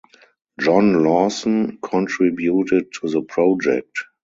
John Laursen contributed to the project.